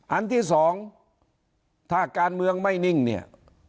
อันที่สองถ้าการเมืองไม่นิ่งเนี่ย